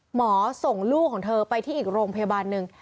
ส่งลูกของเธอไปที่อีกโรงพยาบาลหนึ่ง